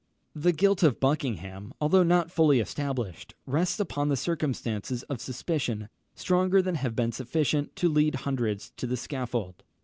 The guilt of Buckingham, although not fully established, rests upon circumstances of suspicion stronger than have been sufficient to lead hundreds to the scaffold.